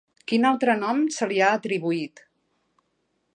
Quin altre nom se li ha atribuït?